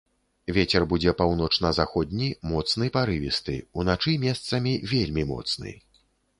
Вецер будзе паўночна-заходні, моцны парывісты, уначы месцамі вельмі моцны.